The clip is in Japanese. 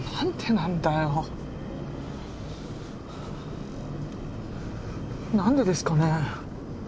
なんでですかね？